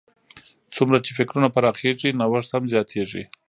څومره چې فکرونه پراخېږي، نوښت هم زیاتیږي.